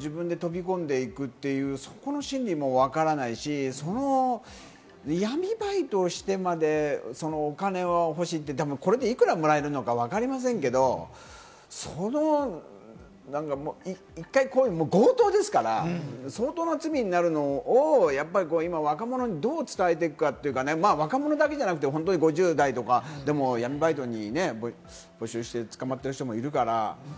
そういうのも見てて、自分で飛び込んでいくっていう、そこの心理もわからないし、闇バイトしてまでお金が欲しいって、これでいくらもらえるのかわかりませんけど、強盗ですから、相当な罪になるのを今、若者にどう伝えていくかっていうか、若者だけじゃなくて、５０代とかでも闇バイトに募集して捕まっている人もいるから。